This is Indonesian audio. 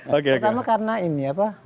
pertama karena ini apa